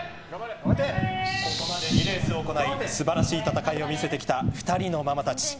ここまで２レース行い素晴らしい戦いを見せてきた２人のママたち。